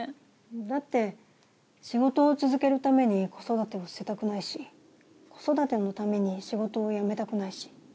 だって仕事を続けるために子育てを捨てたくないし子育てのために仕事を辞めたくないし。